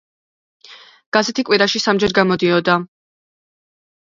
გაზეთი კვირაში სამჯერ გამოდიოდა.